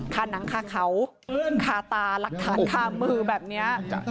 ฆ่าหนังฆ่าเขาฆ่าตารักฐานฆ่ามือแบบนี้